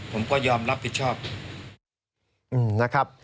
ผมก็ยอมรับผิดชอบนะครับในประตูน้ำ